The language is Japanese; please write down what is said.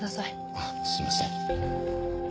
あっすみません。